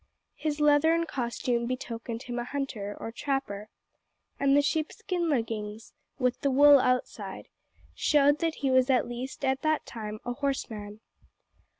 His leathern costume betokened him a hunter, or trapper, and the sheepskin leggings, with the wool outside, showed that he was at least at that time a horseman.